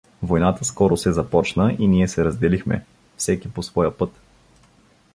Войната скоро се започна и ние се разделихме, всеки по своя път.